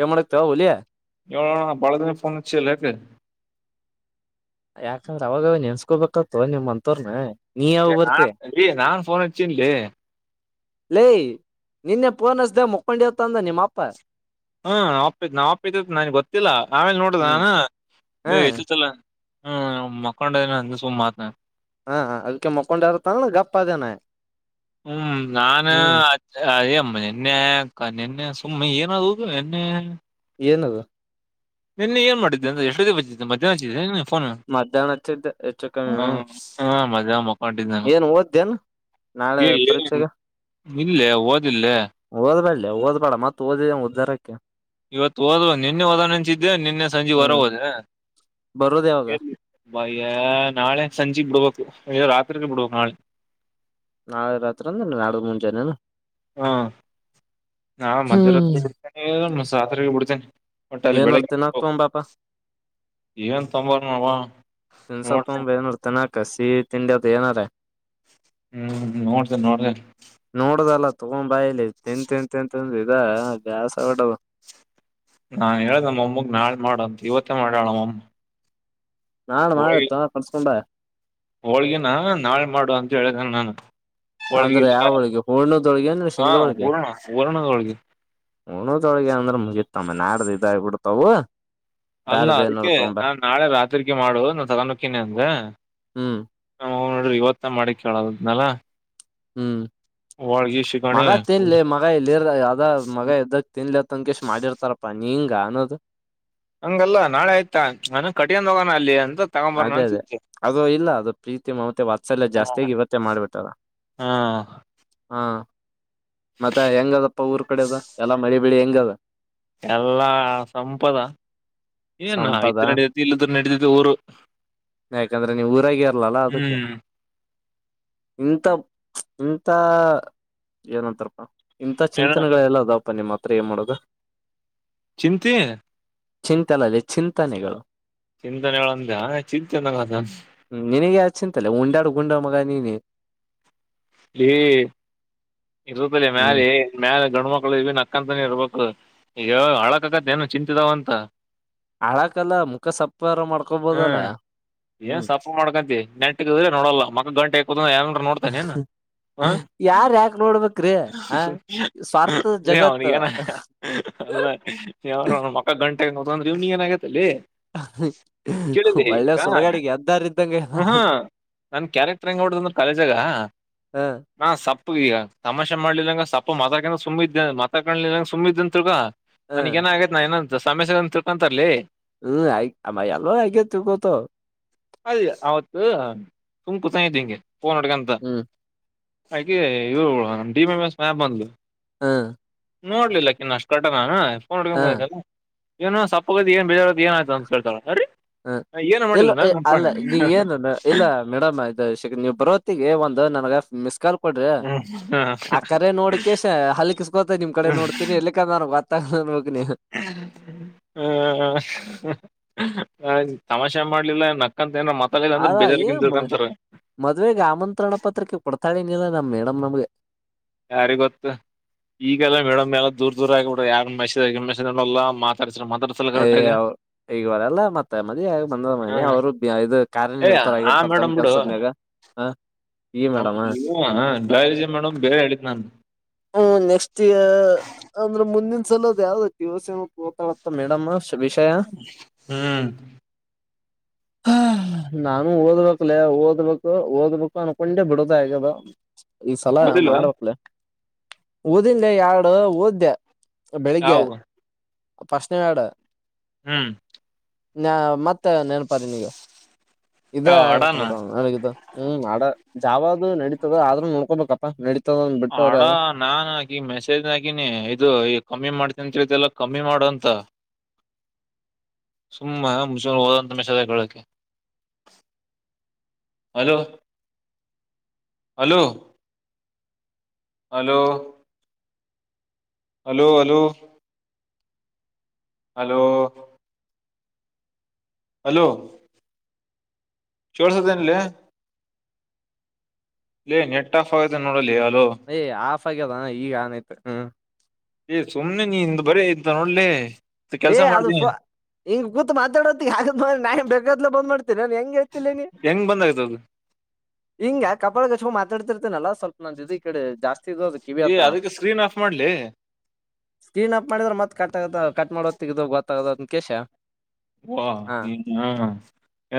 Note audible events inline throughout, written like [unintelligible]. ಏನ್ ಮಾಡತಿ ಹುಲಿ ಹೇಳಣ್ಣ ಬಾಳ ದಿನಕ್ ಫೋನ್ ಅಚ್ಚಿಯಲ್ಲ ಯಾಕ? ಯಾಕಂದ್ರೆ ಅವಾಗ ನೆನ್ಸ್ಕೊಬೇಕತ್ತು ನಿಮ್ ಅಂತೋರ್ನ ಏ ನಾಲ್ಕ್ ಸರಿ ನಾನ್ ಫೋನ್ ಹಚ್ಚಿನಿ ಲೇ ಲೇ ನಿನ್ನೆ ಫೋನ್ ಹಚ್ಚಿದಾಗ ಮಕ್ಕೊಂಡಿ ಅಂತ ಅಂದ ನಿಮ್ಮಪ್ಪ ಹ ಅಪ್ಪ ಇದನ ನಮ್ಮ ಅಪ್ಪ ಇದ್ದಿದ್ ನನಗ ಗೊತ್ತಿಲ್ಲ ಆಮೇಲೆ ನೋಡುದ ಹ್ಮ್ ಹ ಏ ಎತ್ತುತ್ತಿಲ್ಲ ಹ ಮಕ್ಕೊಂಡನೆ ಅದಕ ಸುಮ್ನ ಆದನ ಹ ಹಾ ಅದಕ್ಕೆ ಮಕ್ಕೊಂಡು ಇರತ್ತನಾ ಗಪ್ಪ ಆದೆನಾ ಹೂ ನಾನ್ ಅದ ಏ ಮೊನ್ನೆ ನಿನ್ನೆ ಸುಮ್ಮನೆ ಏನಾದದು ಎಣ್ಣೆ? ಏನುದು? ನಿನ್ನೆ ಏನ್ ಮಾಡಿದ್ದೆ ಅಂದ್ರೆ ಎಷ್ಟೊತ್ತಿಗೆ ಹಚ್ಚಿದ್ದೆ ಮಧ್ಯಾಹ್ ಹಚ್ಚಿದ್ದೇ ಏನ ಫೋನ್ ಮಧ್ಯಾಹ್ನ ಹಚ್ಚಿದ್ದ ಹೆಚ್ಚು ಹ ಕಮ್ಮಿ ಹ ಮಧ್ಯಾಹ್ನ ಮೊಕ್ಕೊಂಡಿದ್ದೆ ಏನ್ ಓದ್ದೇನ್ ನಾಳೆ ಏ ಏನ್ಲೇ ಪರೀಕ್ಷೆಗೆ ಇಲ್ಲೇ ಓದಿಲ್ಲೆ ಓದ್ಬೇಡ್ಲಿ ಓದ್ಬೇಡ ಮತ್ತ ಓದಿದೆ ಉದ್ದಾರ ಕ್ಕಿ ಇವತ್ತು ಓದು ನಿನ್ನೆ ಓದೋನ ಅಂತಿದ್ದೆ ನಿನ್ನೆ ಸಂಜೆ ಹೊರ ಹ್ಮ್ ಹೋದೆ ಬರೋದ ಯಾವಾಗ ಎಲ್ಲಿ ಭಯ್ಯ ನಾಳೆ ಸಂಜೆಗ್ ಬಿಡ್ಬೇಕು ಇಲ್ ರಾತ್ರಿಗೆ ಬಿಡ್ಬೇಕು ನಾಳೆ ನಾಳೆ ರಾತ್ರಿ ಅಂದ್ರ ನಾಡದ ಮುಂಜೆನೇನ ಹಾ ನಾ ಹ್ಮ್ ಮಧ್ಯರಾತ್ರಿ ಬಿಡ್ತೇನೆ ಸಾತ್ರಿ ಬಿಡ್ತೇನೆ ಬಟ್ ಅಲ್ಲಿ ಏನಾರ ಬೆಳಗ್ಗೆ ತಿನ್ನಾಕ್ ಹೋಗ್ಬೇಕು. ತಗೊಂಡ್ ಬಾ ಪಾ ಏನ್ ತಮ್ ಬರೋಣ ಮಾವ ತಿನ್ಸ ತೊಗೊಂಡ್ ಬಾ ಏನರ ತಿನ್ನಕ್ ಕಸಿ ತಿಂದಿ ಅದ ಏನಾರ? ಹ್ಮ್ ನೋಡ್ತೇನೆ ನೋಡ್ತೇನೆ ನೋಡುದಲ್ಲ ತೋಗೊಂಬಾ ಇಲ್ಲಿ ತಿಂದ ತಿಂದ ತಿಂದ ಇದ ಬ್ಯಾಸರ ಆಗ್ಬಿಟದ್ ನಾನ್ ಹೇಳ್ದಮ್ಮ ಅಮ್ಮಗ್ ನಾಳೆ ಮಾಡಂತ ಇವತ್ತೇ ಮಾಡಾಳಮ್ಮಮ್ಮ ನಾಳೆ ಹೋಳಿಗೆ ಮಾಡ ಕರ್ಸ್ಕೊಂಬ ಹೋಳಗೆ ನಾ ನಾಳೆ ಮಾಡ ಅಂತ ಹೇಳಿದ್ದೇನ ನಾ ಅಂದ್ರೆ ಯಾವ ಹೋಳಗೆ ಹೂರ್ಣದ ಹೋಳಗೆ ಹಾ ಶೇಂಗ ಹೋಳಗೆ ಹೂರಣ ಹೂರಣದ ಹೋಳ್ಗಿ ಹೂರ್ಣದ ಹೋಳಗೆ ಅಂದ್ರ ಮುಗಿತ ನಮಗ ನಾಡದ್ ಇದು ಆಗಬಿಡತ ಅವು ಅಲ್ಲ ಅದಕ್ಕೆ ನಾನ್ ನಾಳೆ ರಾತ್ರಿಗೆ ಮಾಡು ನಾನ ತಗೊಂಡಹೊಕ್ಕನಿ ಅಂದೆ ಹ್ಮ್ ನಮ್ಮಅವ್ವ ನೋಡಿದರ ಇವತ್ತ ಮಾಡಿ ಇಟ್ಟದಳ ಎಲ್ಲಾ ಹೂ ಮಗ ತಿನ್ಲಿ ಮಗ ಇಲ್ಲಿರ್ ಯಾವ್ದ ಮಗ ಎದ್ದಕ್ ತಿನ್ಲಿ ಅತ್ ಅನ್ಕಷ್ಟ ಮಾಡಿರ್ತಾರಪ್ಪಾ ನೀಂಗ ಜಾನೋದು? ಹಂಗಲ್ಲಾ ನಾಳೆ ಆಯ್ತಾ ನಾನ್ ಕಠಿಣ ಹೋಗೋಣ ಅಲ್ಲಿ ಅಂತ ತಗೊಂಬರೋಣ ಅದೇ ಅದೇ ಅಂತಿದ್ದೆ ಅದು ಇಲ್ಲ ಅದು ಪ್ರೀತಿ ಮತ್ತೆ ವಾತ್ಸಲ್ಯ ಜಾಸ್ತಿಯಾಗಿ ಇವತ್ತೇ ಮಾಡ್ಬಿಟ್ಟಾರ ಹಾ ಹಾ ಮತ್ತೆ ಹೆಂಗದಪ್ಪ ಊರ್ ಕಡೆ ಅದ ಎಲ್ಲ ಮಳಿ ಬೆಳಿ ಹೆಂಗದ ಎಲ್ಲಾ ಸಂಪದ ಏನ ಸಂಪದ ಇದ್ ನೆಡಿ ತತಿ ಇಲ್ಲಿದ್ರು ನೆಡಿತತಿ ಊರು ಯಾಕಂದ್ರೆ ನೀವು ಊರಾಗ ಇರ್ಲಲ್ಲ ಅದಕ್ಕೆ ಹ್ಮ್ ಇಂತ ಇಂತ ಏನಂತಾರಪ್ಪ ಇಂತ ಏನ ಚಿಂತನೆಗಳೆಲ್ಲ ಎಲ್ಲ ಆದವು ನಿಮ್ಮ ಹತ್ರ ಏನ್ ಮಾಡೋದು ಚಿಂತಿ ಚಿಂತಲ್ಲದೆ ಚಿಂತನೆಗಳು ಚಿಂತಿ ಚಿಂತನೆಗಳು ಅಂದ್ಯಾ ಚಿಂತನೆಗಳು ಅಂದ ಚಿಂತಲ್ಲೆ ಉಡಾಡಿ ಗುಂಡ ಮಗ ನೀನೇ ಈ ಇರ್ತ್ತಲ್ಲಿ ಹ್ಮ್ ಮ್ಯಾಲ ಮ್ಯಾಲ ಗಂಡು ಮಕ್ಳು ನಕ್ಕಂತನ ಇರ್ಬೇಕ ಈಗ ಹಳಕತ್ತದ ಏನು ಚಿಂತಿದಾವ ಅಂತ ಅಳಕಲ್ಲ ಮುಖ ಸಪ್ಪರ ಮಾಡ್ಕೊಬೋದಲ್ಲ ಹ್ಮ್ ಏನ್ ಹ್ಮ್ ಸಫ ಮಾಡ್ಕಂತಿ ನೆಂಟ್ಗದ್ರೆ ನೋಡಲ್ಲ ಮಕ್ಕ ಗಂಟೆಕುದ ಏನ ನೋಡ್ತಾನ ಏನ್ ಹ ಯಾರ್ ಯಾಕ ನೋಡ್ಬೇಕ್ರಿ ಆ ಸ್ವಾರ್ಥ ಲೇ ಅವನ ಜಗತ್ ಏನ ಅಲ್ಲಾರ ಅವ ಮಕ್ಕ ಗಂಟು ಇವ್ನಿಗೆ ಏನಗೈತಿ ಲೇ ಕೇಳಿನಿ ಒಳ್ಳೆ ಈಗ ಸುಡಗಾಡಿಗೆ ಎದ್ದಾರ ಇದ್ದಂಗ ಹ ಹ ಹಾ ನನ್ ಕ್ಯಾರೆಕ್ಟ ನೋಡಿದೀಯ ಕಾಲೇಜಾಗ ಹಾ ತಪ್ಪ ಈಗ ತಮ್ಮಾಷೆ ಮಾಡ್ಲಿಲ್ಲಂಗ ಸಪ್ಪು ಮಕ ಹಾಕಿಕೊಂಡು ಸುಮ್ಮ್ ಇದೆ ಮಕ ಕಾಣ್ಲಿಲ್ಲಂಗಗೆ ಸುಮ್ಮ ಇದ್ದಂತ್ಗ ಹ್ಮ್ ನನಗ್ ಏನ ಆಗತೈತೆ ನಾನ್ ಏನ ದು ಸಮಸ್ಯೆ ಅಂತ ತಿಳ್ಕೋತಾರೆ ಲೇ ಹ್ಮ್ ಆ ಅಲೋ ಆಗೆ ತಿಳ್ಕೊತೋ ತುಮ್ ಕುತಾಯ್ದ ಹೆಂಗೆ ಫೋನ್ ನೋಡ್ಕೋತ ಹಾಗೆ ಇವ್ಳು D B M S ma'am ಬಂದ್ಲು ಹಾ ನೋಡ್ಲಿಲ್ಲಾಕಿನ್ ಅಷ್ಟ ಕರೆಕ್ಟ್ ನಾನು ಫೋನ್ ಇಡ್ಕೊಂಡು ಕೂತಿದ್ನಲ್ಲ ಏನು ಸಪ್ಪಗ ಅದಿ ಏನ್ ಬೇಜಾರ್ ಆದಿ ಅಂತ ಕೇತಾಳರೀ ಹ ಇಲ್ಲ ಅಲ್ಲ ನೀ ಏನು ಇಲ್ಲ ಮೇಡಮ್ ನೀವು ಬರೋತ್ತಿಗೆ ಒಂದ ನನಗೆ ಮಿಸ್ ಕಲ್ ಕೊಡ್ರಿ ಆ ಕರೆ ನೋಡಿಕ ಹಲ್ಲಿಕಸ್ಗೋತ ನಿಮ್ ಕಡೆ ನೋಡ್ತೀನಿ ಎಲ್ಲಿಕ್ಕ ಹ ಹ ತಮಾಷೆ ಮಾಡ್ಲಿಲ್ಲ ನಕ್ಕಂತ ಏನಾರ ಮಾತಾಡಿಲ್ಲ ಅಂದ್ರೆ ಆರಾ ಬೇಜಾರಕಿಂತ ಮ ತಿಳ್ಕೊಂತಾರ ಮದ್ವೆೆಗೆ ಆಮಂತ್ರಣ ಪತ್ರಿಕೆ ಕೊಡ್ತ ಕರಿನ ಇಲ್ಲ ನಮ್ಮ ಮೇಡಮ್ ನಮ್ಗೆ ಯಾರಿಗೊತ್ತು ಈಗೆಲ್ಲಾ ಮೇಡಮ್ ಎಲ್ಲ ದೂರ್ ದೂರ ಆಗಿಬಿಡ್ರ ಯ ಮ ಮೆಲ್ಲಾ ಮಾತಾಡ್ತ ಅಯ ಅವ ಈಗವರಲ್ಲ ಮತ್ತೆ ಮದಾಗ ಬಂದ ಮನಿ ಹ್ಮ್ ಅವ್ರು ಇ ಕಾರ್ಯನ ಏ ಇರ್ತಾರ ಆ ಆಗಿಡ್ತಾರ ತಮ ಮೇಡಮ್ ಬಿಡು ಕೆಲ್ಸದನ್ಯಾಗ ಹ ಈ ನಮ್ ಮೇಡಮ ಬಯಾಲಜಿ ಮೇಡಮ್ ಬೇರೆ ಹೇಳಿದ್ ನಾನು ಹ್ಮ ನೆಕ್ಸ್ಟ್ ಅಂದ್ರೆ ಮುಂದಿನ ಲೋ ಯಾವ್ದದು ದಿವಸ ಮಾತಾ ಮೇಡಮ್ ಹ್ಮ್ ನಾನು ಓದ್ಬೇಕಕ್ಲೇ ಓದ್ಬೇಕು ಓದ್ಬೇಕು ಅನ್ಕೊಂಡೆ ಬಿಡದ ಆಗದ ಈ ಸಲ ಓದಿಲ್ಲ ಮಾಡ್ಬೇಕಕ್ಲ ಓದಿಲ್ಲೆ ಎರಡು ಓದೆ ಬೆಳಿಗ್ಗೆ ಯಾವ ಫ್ರಿಸ್ಟ್ಎರಡು ಹ್ಮ್ ಹ ಮತ್ತೆ ನೆನಪಾದೆ ನೀಗ ಇದೇ ಯಾವ ಅಡಾನ ಆಗತ್ತಬುಡು ಹ್ಮ ಮಾಡ ಜಾವ ನಡೀತದೆ ಆದ್ರೂ ನೋಕೋಬೇಕಪ್ಪ ನಡತ ಹಡಾ ನಾಹಾಕಿ ಮೆಸೇಜ್ ಹಾಕಿನಿ ಇದು ಈ ಕಮ್ಮಿ ಮಾಡ್ತನ್ತ್ರಿ ಇದೆಲ್ಲ ಕಮ್ಮಿ ಮಾಡು ಅಂತ ಸುಮ್ಮ ಮುಚ ಹೋಗು ಅಂತ ಮೇಸಾಜ್ ಹಾಕ್ಲ ಹಾಕಿ hello hello hello hello hello hello ಕೊಳಸಾದೆಂಲೇ ಇಲ್ಲ ನೆಟ್ ಆಫ್ ಆಗಿದೆ ನೋಡಲ್ಲಿ ಹೇ ಆಫ್ ಆಗ್ಯದ ಈಗ ಆನ್ಆಯ್ತು ಹಾ ಏ ಸುಮ್ನೆ ನೀಂದು ಬರೀ ಇದ್ದ ನೋಡ್ಲೇ ಏ ಅದು ಹಿಂಗ ಕೂತ್ ಮಾತಾಡೋ ನಾ ಬೆೇಕದ್ಲ ಬಂದ್ ಮಾಡ್ತೀನಿ ನಾನ ಹೆಂಗ ಇತಿಲ್ಲೇ ನೀ ಹೆಂಗ್ ಬಂದಾಯ್ತದು ಹಿಂಗ ಕಪಳ ಸೇರಿಸಿಕೊಂಡು ಮತ್ ಡ್ತಿರ್ತನಲ್ಲ ಸ್ವಲ್ಪ ನ ಇದು ಈ ಕಡೆ ಜಾಸ್ತಿ ಇದದು ಕಿವಿ ಏ ಹತ್ರ ಅದಕ್ಕೆ ಸ್ಕ್ರೀನ್ ಆಫ್ ಮಾಡ್ಲಿ ಸ್ಟೀನ್ ಅಪ್ ಮಾಡಿದ್ರೆ ಮತ್ ಕ ಕಟ್ ಮಾಡ ಗೊತ್ತಾಗದು ಅಂತ ವ ಹಾ ನೀ ಹ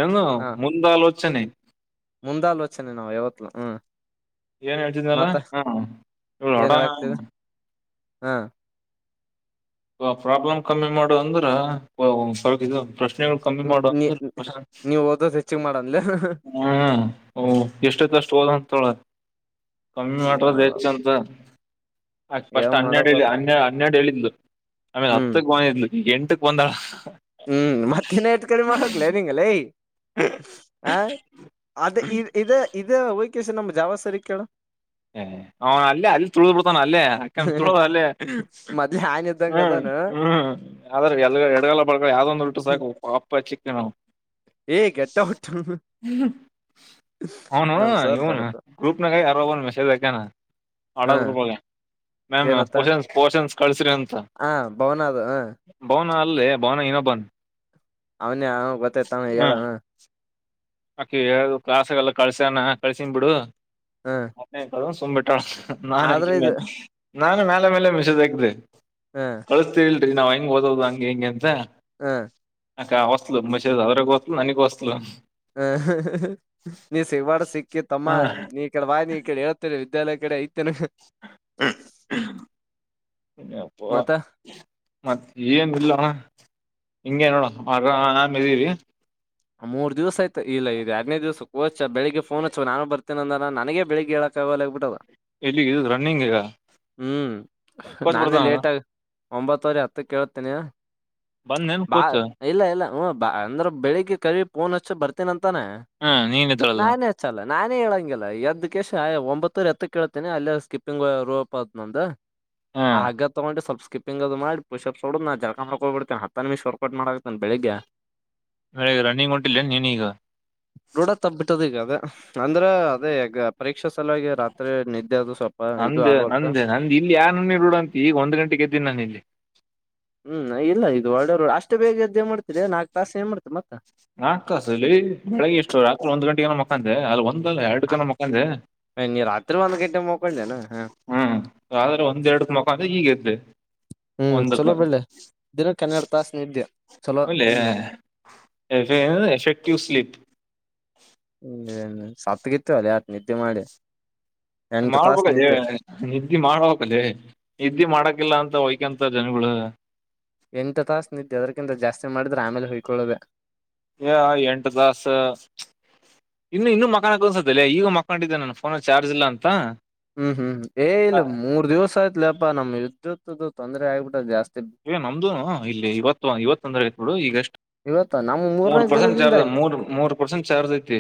ಏನು ಮುಂದಾಲೋಚ ಚನೆ ಮುಂದ ಆಲೋಚನೆ ನಾವು ಯವತ್ಲ ಹ್ಮ್ ಏನ್ ಹೇಳ್ತಿದನಲ್ಲ ಮತ್ತ ಹಾ ಹಡ ಏನ್ ಹೇಳಾಕ್ತಿದೆ ಹಾ ಪ್ರಾಬ್ಲಮ್ ಕಮ್ಮಿ ಮಾಡುವ ಅಂದ್ರ ಸ್ವಲ್ಪ ಇದು ಪ್ರಶ್ನೆಗಳು ಕಮ್ಮಿ ಮಾಡು ನೀ ಅಂದ್ರ ನೀವ್ ಓದದು ಹೆಚ್ಚಿಗೆ ಮಾಡಂದಲೇ ಹ್ಮ್ ಓ ಎಷ್ಟ ಅಷ್ಟು ಹೋದ ಅಂತಳ ಕಮ್ಮಿ ಮಾಡಟ್ರದ ಹೆಚ್ಚ ಅಂತ ಫಸ್ಟ್ ಯಾವ ಹನ್ನೆರಡು ಮಾಡಬಾರ ಹೇಳನ್ ಹನ್ನೆರಡು ಹೇಳಿದ್ಲು ಆಮೇಲೆ ಹ್ಮ್ ಹತ್ತಕ್ ಬಂದಿದ್ಲಿ ಎಂಟಕ್ಕ ಬಂದಾಳ ಹ್ಮ್ ಮತ್ತಿನ ಎಸ್ಟ್ ಕಡಿಮೆ ಮಾಡಕ್ಲ ನಿಂಗಲ್ಲೈ ಹ ಅದ ಇ ಇದ ಇದು ನಮ್ಮ ಜಾವ ಸರಿ ಕೇಳು ಹ ಅವನ ಅಲ್ಲೇ ಅಲ್ಲಿ ತುಳುದ್ ಬಿಡ್ತಾನ ಅಲ್ಲೇ ಅಕತುಳ ಅಲ್ಲೇ ಮೊದ್ಲೆ ಆನ್ ಇದ್ದಂಗ ಹ್ಮ್ ಅದಾನ ಹ್ಮ್ ಆದ್ರ ಎ ಎಡಗಲ ಳ ಯಾವದ ಒಂದು ಸಾಕು ಪ ಚಕ್ಕಣ [unintelligible] ಏ ಗೆಟ್ ಔಟ್ ಹ್ಮ್ ಅವನು ನಮ್ ಸರ್ ಇವನು ಬರಪ್ಪ ಗ್ರೂಪನಾಗ್ ಯಾರೋ ಒಬ್ಬ ಹ ಮೆಸ್ ಮ ಏನತ್ತ ಪೋಷನ್ ಪೋಷನ್ ಕಳಸ್ರಿ ಅಂತ ಹ ಭವನ ಅದು ಹ [unintelligible] ಬವನ ಅಲ್ಲೇ ಬವನ ಇನ್ನೂಬನ್ ಅವನೇ ಅವ ಗೊತ್ತೈತಾನ ಹೇಳ ಹ್ ಅಕಿ ಹೇಳದೊಳು ಕ್ಲಾಸಿಗೆಲ್ಲ ಕಳ್ಸ್ಯನ ಕಲ್ಸಿನ್ ಬಿಡು ಅ ಕು [unintelligible] ತಂಬಟಳ ಆದ್ರೆ ನಾನ್ಯಕೇನೆ ಇದು [unintelligible] ನಾನು ಮ್ಯಾಲೆ ಲ ಮ್ಯಾಲೆ ಮೆಸ್ಸೇಜಕಿದ್ದೆ ಹ ಕಳಸ್ತೀ ನಾವ್ ಹೆಂಗ ಓದೋದು ಹಂಗೆ ಹೆಂಗೆ ಅಂತ ಹ ಅಕ್ಕ ಹೊಸ್ತಂಬಷೇ ಅವರೂಸ್ತಲು ನನಗೊಸ್ಲ [unintelligible] ಹ ನೀ ಸಿಗಬ್ಯಡ ಸಿಕ್ ತಮ್ಮ ಹಾ ನೀ ಈ ಕಡಿ ಬಾ ನಿಕಡಿ ಹೇಳತೀನಿ ಲಯ ಕಡೆ [unintelligible] [inaudible] ಅಪ್ಪ ಮತ್ತ ಮತ್ ಏನಿಲ್ಲಣ ಹಿಂಗೆ ನೋಡ ನಾಮ ಇದ ಇದೀರಿ [unintelligible] ಮೂರ್ ದಿವಸ್ ಐತ ಇಲ್ಲ ಇದ ಯಾಡನೆ ದಿವಸ ಕೋಚ ಬೆಳಗ್ಗೆ ಫೋನ್ ಹಚ್ವ ನಾನು ಬರ್ತೇನ ಅಂದಾನ ನನಗೆ ಬೆಳಗ್ಗೆ ಏಳಕ ಅಗವಲ್ಲ ಆಗ್ ಬಿಟ್ಟದ ಎಲ್ಲಿಗ ರನ್ನಿಂಗೀಗ ಹ್ಮ್ ನಾನೇ ಲೇಟ್ ಆಗ ಒಂಬತ್ತು ವರಿ ಹತ್ತಕ ಏಳತೆನಿ ಬಂದೇನ್ ಬಾ ಕೋಚ್ ಇಲ್ಲ ಇಲ್ಲ ಹ ಬಾ ಅಂದ್ರ ಬೆಳಿಗ್ಗೆ ಕರಿ ಫೋನ್ ಹಚ್ಚ ಬರ್ತೇನ ಅಂ ಹಾ ನೀನ್ ಎದ್ದೇಳಲ್ಲ ನಾನೇ ಏಳಂಗಿಲ್ಲ ಎದ್ದ ಕೇಶ ಒಂಬತ್ತುವರಿ ಹತ್ತಕ್ ಏಳ್ತೇನಿ ಅಲ್ಲಿ ಸ್ಕಿಪ್ಪಿಂಗ್ ರೂಪ ಅತ ನಂದು ಹಾ ಆ ಹಗ್ಗ ತಗೊಂಡಿ ಸ್ವಲ್ಪ ಸ್ವಲ್ಪ ಸ್ಕಿಪ್ಪಿಂಗ್ ಅದು ಮಾಡಿ ಪುಶಪ್ಸ ಹೊಡದ ನಾ ಜಳಕ ಮಾಡಕೋಗಬಿಡ್ತೇನ ಹತ್ತ ನಿಮಿಷ ವರ್ಕೌಟ್ ಮಾಡಕತೀನಿ ಬೆಳಗ್ಗೆ ರನ್ನಿಂಗ್ ಹೊಂಟಿಲ್ಲೇನ ನೀನು ಈಗ ರೂಢ ತಪ್ಪಿಬಿಟ್ಟದ ಈಗ ಅದ ಅಂದ್ರ ಅದೇ ಗ ಪರೀಕ್ ಇದು ನಂದೇ ಆಗೋಲ್ತ ನಂದೇ ನಂದ ಇಲ್ಲಿ ಯಾನಾಮನಿ ರೂಡ ಅಂತಿ ಈಗ ಒಂದ್ ಗಂಟೆೆಗೆದ್ದನಿ ನಾನು ಇಲ್ಲಿ ಹ್ಮ್ ಇಲ್ಲ ಇದು ಒಳ್ಳೆ ರೂಂ ಅಷ್ಟೇ ಸ್ಟ್ ಬೇಗ್ ಎದ್ದ ಏನ ಮಾಡ್ತಿಲೆ ನಾಕ ತಾಸ ಏನ ಮಾಡತಿ ಮತ್ತ ನಾಕ ತಾಸಲಿ ಬೆಳಗ್ಗೆ ಎಷ್ಟು ರಾತ್ರಿ ಒಂದ್ ಗಂಟೆಗೆ ಏನ ಮಕ್ಕಂದೆ ಅಲ್ಲಿ ಒಂದ ಎರಡು ಜನ ಮುಖಾಂದ ನೀ ರಾತ್ರಿ ಒಂದ್ ಗಂಟೆ ಮಕೊಂಡೇನ ಹ ಹ್ಮ್ ಆದ್ರೆ ಒಂದ್ ಎರಡ ಮುಖಾಂದ ಈಗ ಎ ಹ ಹ್ಮ್ ಚುಲೋ ಬಿಡ್ಲೇ ದಿನಕ್ಕೆ ಹನ್ನೆರಡು ತಾಸ ನಿದ್ಯಾ ಹೂಂ ಲೇ ಏನದು ಎಫೆಕ್ಟಿವ್ ಸ್ಲಿಪ್ [unintelligible] ಹ ಸತ್ಗಿತ್ತೀಯೋ ಲೇ ಅಷ್ಟ್ ನಿದ್ದಿ ಮಾಡಿ ಎಂಟು ತಾಸ ಮಾಡ್ಬೇಕದೇ ನಿದ್ದೆ ನಿದ್ದೆ ಮಾಡ್ಬೇಕದ ನಿದ್ದೆ ಮಾಡಕಿಲ್ಲ ಅಂತ ವ ಎಂತ ಜನಗಳು ಎಂಟು ತಾಸು ನಿದ್ದೆ ಅದರಕ್ಕಿಂತ ಜಾಸ್ತಿ ಮಾಡಿದ್ರೆ ಆಮೇಲೆ ಹೊಯ್ಕೊಳ್ಳುದ ಏ ಎಂಟು ತಾಸ ಇನ್ನು ಇನ್ನು ಮಕ್ಕೋಬೇಕನ್ಸತಲೇ ಈಗ ಮಕ್ಕಂಡಿದ್ದೆ ನಾನ ಫೋನ ಚಾರ್ಜ್ ಇಲ್ಲ ಅಂತ ಹ್ಮ್ ಹ್ಮ್ ಏ ಆ, ಇಲ್ಲ ಮೂರ್ ದಿವಸ ಆಯ್ತ್ಲೇ ನಮ್ ವಿದ್ಯದ್ದ ತೊಂದರೆ ಆಗ್ಬಿಟ್ಟದು ಜಾಸ್ತಿ ನಮ್ದುನು ಇಲ್ಲಿ ಇವತ್ತು ಇವತ್ತು ಅಂದ್ರೆ ನೋಡು ಈಗಷ್ಟ ಇವತ್ತು ನಮ ಮೂರ್ ಮೂರ್ನಾಕ್ ಪರ್ಸೆಂಟ್ ದಿನದಿಂದ ಚಾರ್ಜ್ ಮೂರ್ ಮೂರ್ ಪರ್ಸೆಂಟ್ ಚಾರ್ಜ್ ಐತಿ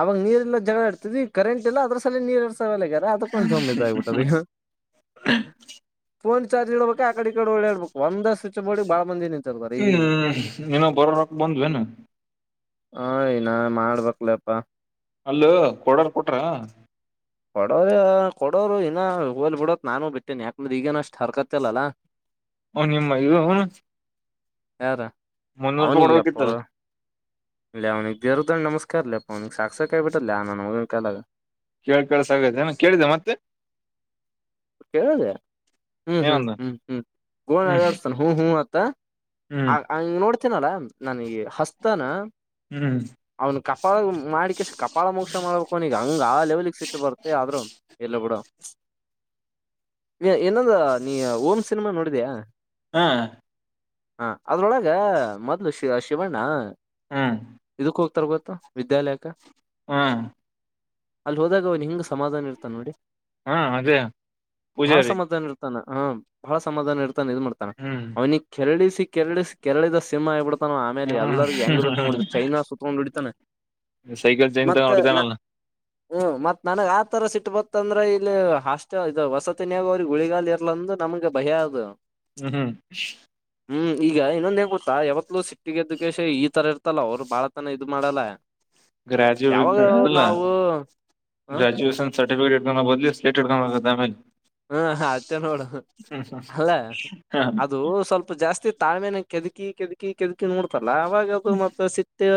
ಅವಾಗ ನೀರ್ಲ್ಲ ಜಗಳ ಇರ್ತಿದವಿ ಕರೆಂಟ್ ಇಲ್ಲ ಅದ್ರ ಸಲ ನೀರ್ ಹರ್ಸ ಲಾಗ್ಯಾರ ಅದಕ್ಕೊಂದು ಜೋಮಿದಾಗ್ಬೆಟ್ಟದ ಫೋನ್ ಚಾರ್ಜ ಆ ಕಡಿ ಈ ಕಡೆ ಹೊಳ್ಳ್ಯಾಡ್ಬೇಕು ಒಂದ ಸ ಷ್ಟ ಬಾ ಬಂದಿನ ಹ್ಮ್ ನ ಅವರ ರೊಕ್ಕ ಬಂದವೇನು ಹ ನ ಮಾಡ್ಬೇಕಕ್ಲಪ್ಪಾ ಅಲ್ಲ ಕೊಡರ್ ಕೊಟ್ರ ಕೊಡೋ ಕೊಡೋರು ಇನ್ನ ಹಲ್ ಬಿಡತ್ ನಾನು ಬಿಟ್ಟೇನೆ ಯಾಕ ಈಗೇನ ಅಷ್ಟ್ ಹರಕತ್ತಲ್ಲಲ್ಲಾ ನಿಮ್ಮ ಹೌನು ಯಾರ ಮುನ್ನೂರು ಪೌಡವ ಕತ್ತ ಇ ಅವನಿಗೆ ಬೇರದ ನಮಸ್ಕಾರ ಲ್ಲ ಪ ಸಾಕ್ಷಸ ಕ ಲ್ಲ ನ ಕಲ್ಲ ಕೇಳ್ ಕಳ್ಸಗದ ಏ ಕೇಳಿದೆ ಮತ್ತೆ ಕ [unintelligible] ಹ್ಮ್ ಹ್ಮ್ ಏನಂದ ಹ್ಮ್ ಹ್ಮ್ ಹ್ಮ್ ಗೋಸನ್ ಹ ಹ್ಮ ತ್ತ [unintelligible] ಆ ಹ್ಮ್ ಹಂಗ ನೋಡ್ತನಲ್ಲ ನನ್ಗ ಹಸ್ತನ ಹ್ಮ್ ಅವನ್ ಕಪಾಳ ಮಾಡಿಕ ಕಪಾಳ ಮೋಕ್ಷ ಮಾಡ್ಬೇಕಕ್ನ ಈಗ ಹಂಗ ಆ ಲೆವೆಲ್ಗ್ ಸಿಟ್ಟ ಬರ್ತ್ತ ಆದ್ರು ಎಲ್ಲ ಬಿೂಡ ಏಂದ ನೀ ಓಮ್ ಸಿನಿಮಾ ನೋಡಿ ಮಾಡದಯಾ ಹಾ ಹಾ ಅದ್ರೊಳಗ ಮೊದ್ಲು ಶಿವ ಶಿವಣ್ಣ ಹ್ಮ್ [inaudible] ಇದುಕ್ಕ ಗೊತ್ತು ವಿದ್ಯಾಲಯಕ್ಕೆ ಹಾ ಅಲ್ಲಿ ಹೋದಾಗ ಅವನ್ ಹಿಂಗ ಸಮಾಧಾನ ಇರ್ತ ನೋಡಿ ಹಾ ಅದೇ ಬಹಳ ಪೂಜಾರಿ ಸಮಾಧಾನ ಇರ್ತಾನ ಹಾ ಬಹಳ ಸಮಾಧಾನ ಇರ್ತೆ ಇ ಮಾಡ್ತಾನೆ ಹ್ಮ್ ಅವನಿಗೆ ಕೆರಳ ಕೆಳ ಕೆರಳಿದ ಸಿನಿಮಾ ಇಬಿ ಆಮೇಲೆ ಎಲ್ಲರಿಗ ಹೆಂಗ ಬೇಕಂಗ ಹೊಡಿತ ಹ್ಮ್ ಚೈನಾ ಸತ್ಕೊಂಡು ಹೊಡಿತಾನೆ ಸೈಕಲ್ ಜೈಂತ ನೋಡಿದಾನಲ್ಲ ಹ್ಮ್ ಮತ್ ನನಗ್ ಆತರ ಸಿಟ್ ಬತ್ತಂದ್ರೆ ಇಲ್ಲಿ ಅಷ್ಟ ಇದು ವಸತಿನಾಗ ಅವ್ರಿಗೆ ಗುಳಿಗಾಲ ಇರ್ಲ ಅಂದ ನಮ್ಗೆ ಭಯ ಅದು ಹ್ಮ ಹ್ಮ ಹ್ಮ್ ಈಗ ಇನ್ನೊಂದ ಹೆ ಯಾವತ್ಲೂ ಸಿಟ್ಟಿಗೆ ಎದ್ದುಕೇಶ ಈ ತರ ಲ್ಲ ಅವ್ ಬಳ ಇ ಮಾಡಲ್ಲ ಗ್ರಾಜುಯೇಟ್ ಯಾವಾಗ ಅಲ್ಲ ನಾವು ಹ ಗ್ರಾಜುಯೇಷನ್ ಸರ್ಟಿಫಿಕೇಟ್ ಬದ [unintelligible] ಆಮೇಲೆ ಹಾ ಅತ್ತೆ ನೋಡ ಅಲ್ಲ ಹ್ಮ್ ಅದು ಸ್ವಲ್ಪ ಜಾಸ್ತಿ ತಾಳ್ಮೆ ನ ಕ ಕೆದಕಿ ಕೆದಕಿ ಕೆದಕಿ ನೋಡ್ ಸಲಾವು ಮತ್ತ ಸಿತ್ತ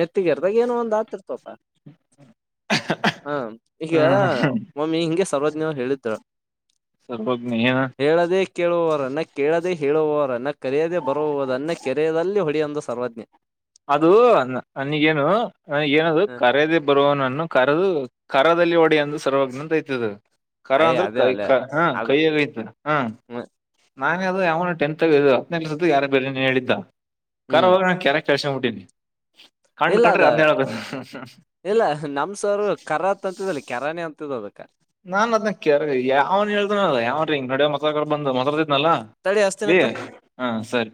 ನೆತ್ತಿಗೆರ್ದಾಗ ಏನೋ ಒಂದ ಆತಿರ್ತಪ ಹಾ ಈಗ ಹ್ಮ್ ಮಮ್ಮಿ ಹಿಂಗೆ ಸರ್ರಜ್ನ್ ಹೇಳ ಅ [inaudible] ಸರ್ವಜ್ಞ ಏನ ಹೇಳದೇ ಕೇಳುವರ ಅನ್ನ ಕೇಳದೆೇ ಹೇಳುವವರು ಅನ್ನ ಕರೆಯದದೆ ಬರುವವರು ಅನ್ನ ಕೆರೆಯದಲ್ಲಿ ಹೊಡಿಯೊಂದು ಸರ್ವಜ್ಞ ಅದು ನನಿಗೇನು ನನ ಏನದು ಹ ಕರದೆೇ ಬರುವ ನನ್ನು ಕರೆದು ಕರದಲ್ಲಿ ಹೊಡಿ ಸರ್ವಜ್ಞ ನಂತ ಆಯತದು ಕಖರ ಅಯೇ ಅಂದ್ರೆ ಅದೇ ಕೈ ಅಲ್ಲೇ ಕ ಹಾ ಅದು ಕೈಯಗಐತೆ ಹಾ ಹ್ಮ ನಾನೇ ಅದು ಯಾವನು ಟಂತ್ಗ ಇ ಹದಿನನಸ ಯಾರು ಬೇರೆ ನೀನು ಹೇಳಿದ್ದ [inaudible] ಹ್ಮ್ ಹೋಗ್ [unintelligible] ಕೆಲ್ಷ [unintelligible] ಇಲ್ಲ ಅದ ಇಲ್ಲ ನಮ್ ಸರ್ರು ಕರತ್ ಅಂತದಲಿ ಕೆರಾಣಿ ಅಂತದ್ ಅದಕ್ಕ ನಾನ್ ಅದ್ನ ಕೆರ್ವಿ ಯಾವ್ ಹೇಳ್ದ ಯಾವ್ರಿ [unintelligible] ನಲಾ ತಡಿ ಹಸ್ತಿನ ಇ ಹಾ ಸರಿ